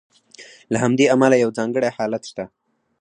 له همدې امله یو ځانګړی حالت شته.